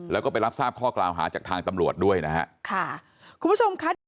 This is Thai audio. แล้วก็ไปรับทราบข้อกล่าวหาจากทางตำรวจด้วยนะฮะค่ะคุณผู้ชมค่ะ